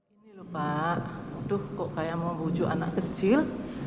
ini lupa aduh kok kayak mau buju anak kecil